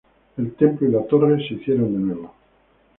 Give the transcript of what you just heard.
El Templo y la Torre se hicieron de nuevo.